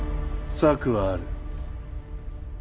策はある。